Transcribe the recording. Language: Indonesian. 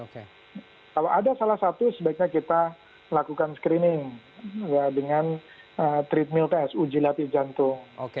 kalau ada salah satu sebaiknya kita lakukan screening dengan treat meal test uji latih jantung